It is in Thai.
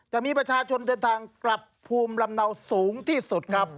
จะมีประชาชนเดินทางกลับภูมิลำเนาสูงที่สุดครับ